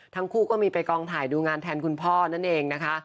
ทั้งคู่ก็มีไปกองถ่ายดูงานแทนคุณพ่อนั่นเองนะคะ